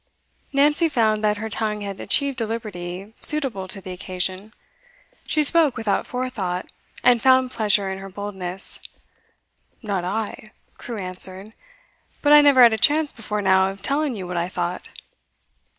Nancy found that her tongue had achieved a liberty suitable to the occasion. She spoke without forethought, and found pleasure in her boldness. 'Not I,' Crewe answered. 'But I never had a chance before now of telling you what I thought.